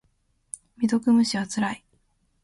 未読無視はつらい。